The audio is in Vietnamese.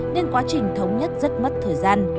nên quá trình thống nhất rất mất thời gian